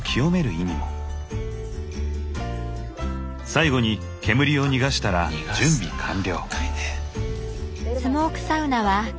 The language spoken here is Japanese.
最後に煙を逃がしたら準備完了。